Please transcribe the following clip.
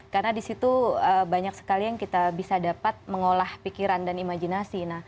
karena di situ banyak sekali yang kita bisa dapat mengolah pikiran dan imajinasi